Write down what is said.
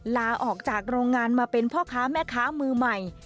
ลาออกจากโรงงานมาเป็นพ่อค้าแม่ค้ามือใหม่